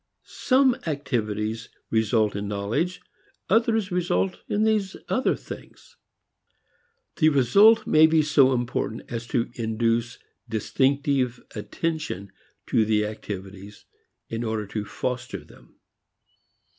Some activities result in knowledge, as others result in these other things. The result may be so important as to induce distinctive attention to the activities in order to foster them.